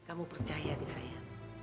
kamu percaya di saya